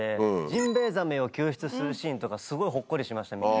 ジンベエザメを救出するシーンとかすごいほっこりしました。